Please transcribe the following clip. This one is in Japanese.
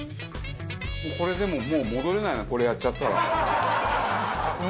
これでももう戻れないなこれやっちゃったら。